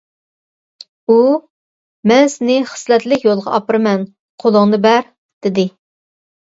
ئۇ : «مەن سېنى خىسلەتلىك يولغا ئاپىرىمەن قولۇڭنى بەر! » دېدى.